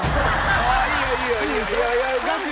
いいよいいよ。